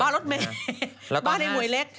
บ้านรถแม่บ้านไอ้หน่วยเล็ก